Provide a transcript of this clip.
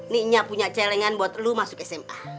nnya punya celengan buat lo masuk sma